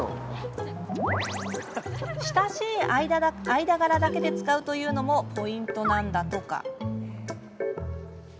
親しい間柄だけで使うというのもポイントなんだとか。